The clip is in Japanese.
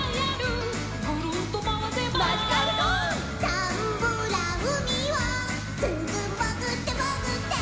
「ザンブラうみをずんずんもぐってもぐって」